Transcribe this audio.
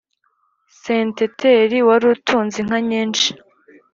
senteteri wari utunze inka nyinshi